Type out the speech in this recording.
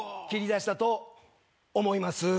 切り出したと思います。